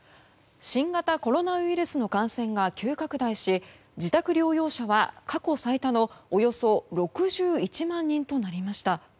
新型コロナウイルスの感染が急拡大し自宅療養者が過去最多のおよそ６１万人となりました。